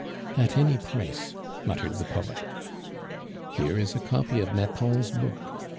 "At any price," muttered the poet. "Here is a copy of Nathan's book.